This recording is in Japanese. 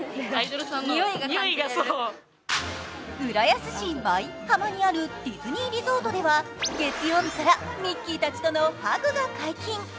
浦安市舞浜にあるディズニーリゾートでは月曜日からミッキーたちとのハグが解禁。